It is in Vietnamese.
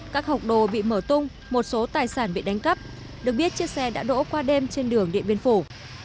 các hộp đồ bị mở tung một số tài sản bị đánh cắp được biết chiếc xe đã đỗ qua đêm trên đường điện biên phủ